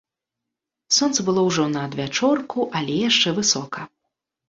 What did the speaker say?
Сонца было ўжо на адвячорку, але яшчэ высока.